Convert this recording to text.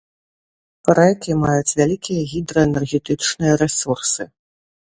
Рэкі маюць вялікія гідраэнергетычныя рэсурсы.